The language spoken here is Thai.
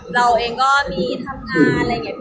เราเองก็มีทำงานอะไรอย่างนี้